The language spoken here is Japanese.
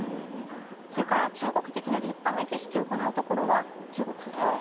それから中国的な立派な儀式を行うところは中国風。